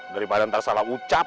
daripada ntar salah ucap